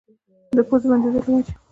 د پوزې بندېدو له وجې